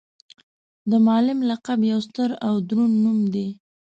د معلم لقب یو ستر او دروند نوم دی.